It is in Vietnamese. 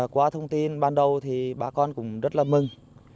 qua thông tin ban đầu thì bà con cũng rất là mừng